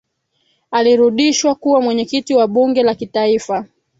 alirudishwa kuwa mwenyekiti wa bunge la kitaifa